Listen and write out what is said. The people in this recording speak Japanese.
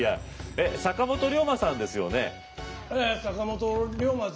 えっ坂本龍馬さんですよね？